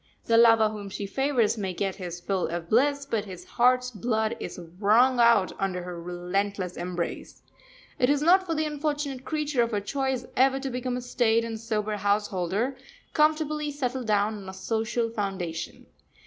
The lover whom she favours may get his fill of bliss, but his heart's blood is wrung out under her relentless embrace. It is not for the unfortunate creature of her choice ever to become a staid and sober householder, comfortably settled down on a social foundation.